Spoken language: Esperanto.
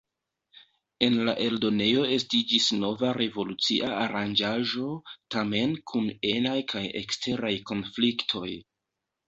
En la eldonejo estiĝis nova revolucia aranĝaĵo, tamen kun enaj kaj eksteraj konfliktoj.